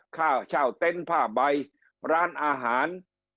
ค่าเช่าเต็นต์ผ้าใบร้านอาหาร